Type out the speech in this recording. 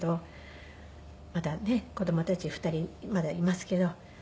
まだねっ子供たち２人まだいますけど。